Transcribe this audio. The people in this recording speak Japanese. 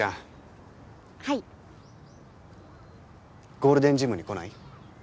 ゴールデンジムに来ない？